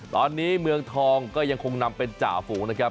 ตอนนี้เมืองทองก็ยังคงนำเป็นจ่าฝูงนะครับ